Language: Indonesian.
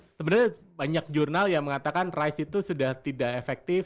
sebenarnya banyak jurnal yang mengatakan rice itu sudah tidak efektif